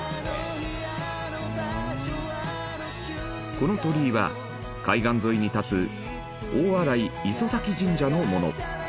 この鳥居は海岸沿いに立つ大洗磯前神社のもの。